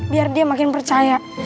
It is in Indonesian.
biar dia makin percaya